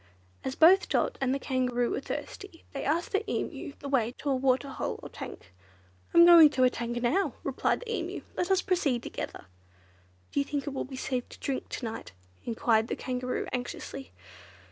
As both Dot and the Kangaroo were thirsty, they asked the Emu the way to a waterhole or tank. "I am going to a tank now," replied the Emu; "let us proceed together." "Do you think it will be safe to drink to night;" enquired the Kangaroo anxiously.